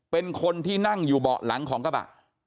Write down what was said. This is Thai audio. เป็นคนที่นั่งอยู่เบาะหลังของกระบะ